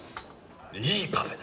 いいパフェだ。